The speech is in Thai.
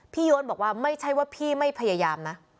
โยนบอกว่าไม่ใช่ว่าพี่ไม่พยายามนะ